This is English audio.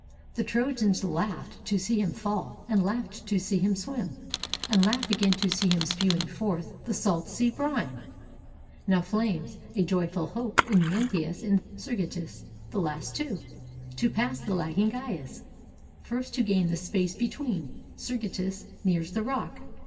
The Trojans laughed To see him fall, and laughed to see him swim. And laugh again to see him spewing forth The salt sea brine. Now flames a joyful hope In Mnestheus and Sergestus, the two last. To pass the lagging Gyas. First to gain The space between, Sergestus nears the rock.